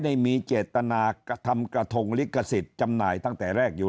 ได้มีเจตนากระทำกระทงลิขสิทธิ์จำหน่ายตั้งแต่แรกอยู่